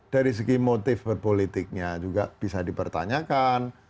dari segi motif berpolitiknya juga bisa dipertanyakan